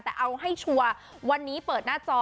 แต่เอาให้ชัวร์วันนี้เปิดหน้าจอ